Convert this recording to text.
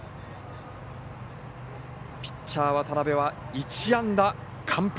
ピッチャー渡邊は１安打完封。